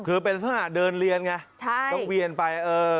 คือเป็นลักษณะเดินเรียนไงต้องเวียนไป